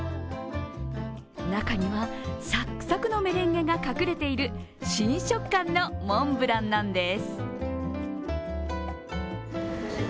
中には、サックサクのメレンゲが隠れている新食感のモンブランなんです。